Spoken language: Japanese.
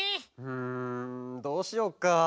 んどうしよっか。